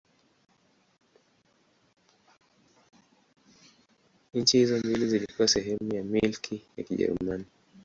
Nchi hizo mbili zilikuwa sehemu ya Milki ya Kijerumani.